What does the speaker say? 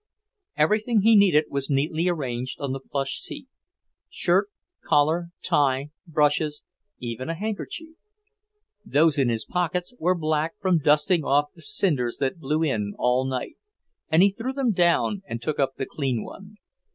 Everything he needed was neatly arranged on the plush seat; shirt, collar, tie, brushes, even a handkerchief. Those in his pockets were black from dusting off the cinders that blew in all night, and he threw them down and took up the clean one.